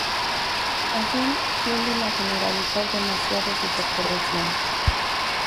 Así, tienden a generalizar demasiado sus observaciones.